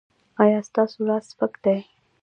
ایا ستاسو لاس سپک دی؟